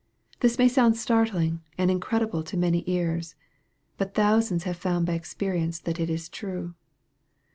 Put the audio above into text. This may sound startling and incredible to many ears. But thousands have found by experience that it is true.